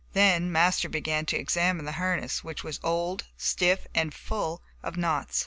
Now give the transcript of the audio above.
Then Master began to examine the harness, which was old, stiff and full of knots.